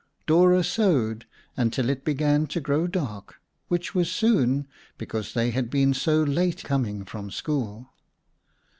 Dora sewed until it began to grow dark, which was soon, because they had been so late coming from school.